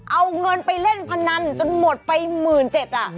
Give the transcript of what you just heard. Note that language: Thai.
เอาเงินไปเล่นพนันจนหมดไปหมื่นเจ็ดอะ